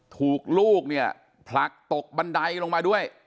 ถูกลูกเนี่ยผลักตกบันไดลงมาด้วย